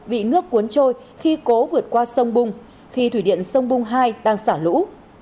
bị nước cuốn trôi khi cố vượt qua sông bung thì thủy điện sông bung hai đang xả lũ